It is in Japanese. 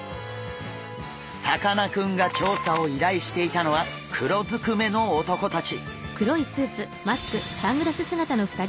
さかなクンが調査をいらいしていたのは黒ずくめの男たち。